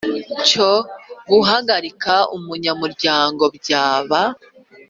Cyo guhagarika umunyamuryango byaba